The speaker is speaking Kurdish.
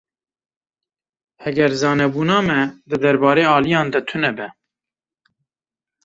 Heger zanebûna me di derbarê aliyan de tune be.